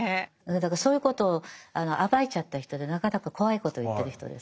だからそういうことを暴いちゃった人でなかなか怖いことを言ってる人です。